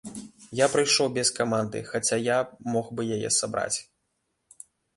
Я прыйшоў без каманды, хаця я мог бы яе сабраць.